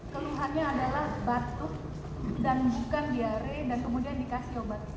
keluhannya adalah batuk dan bukan diare dan kemudian dikasih obat